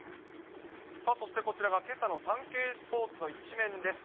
そしてこちらが、けさのサンケイスポーツの１面です。